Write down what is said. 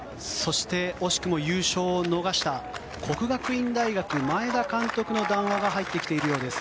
そして、惜しくも優勝を逃した國學院大學、前田監督の談話が入っているようです。